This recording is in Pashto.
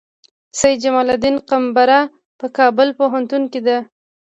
سید جمال الدین مقبره په کابل پوهنتون کې ده؟